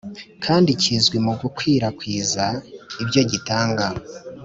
kandi kizwi mugukwi rakwiza ibyo gitanga